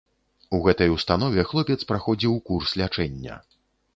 У гэтай установе хлопец праходзіў курс лячэння.